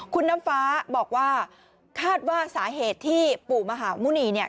คุณน้ำฟ้าบอกว่าคาดว่าสาเหตุที่ปู่มหาหมุณีเนี่ย